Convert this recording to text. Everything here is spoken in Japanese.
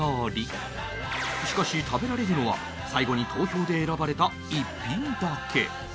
しかし食べられるのは最後に投票で選ばれた１品だけ